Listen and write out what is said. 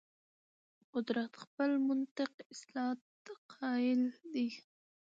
قدرت خپل منطق اصالت قایل دی.